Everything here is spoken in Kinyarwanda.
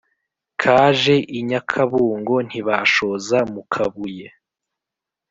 kaje i nyakabungo ntibashoza mu kabuye.